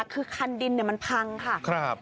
คือคันดินเนี่ยมันพังค่ะครับ